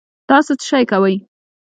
تاسو څه شئ کوی